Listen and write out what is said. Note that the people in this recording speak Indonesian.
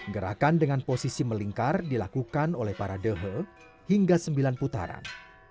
gerakan dengan posisi melingkar dilakukan oleh para dehe hingga sembilan putaran